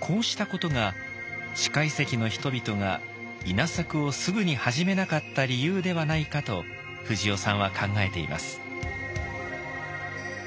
こうしたことが四箇遺跡の人々が稲作をすぐに始めなかった理由ではないかと藤尾さんは考えています。